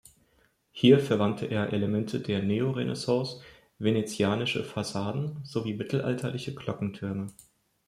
Hier verwandte er Elemente der Neorenaissance, venezianische Fassaden sowie mittelalterliche Glockentürme.